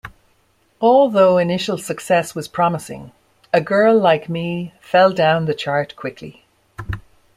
Although initial success was promising, "A Girl Like Me" fell down the chart quickly.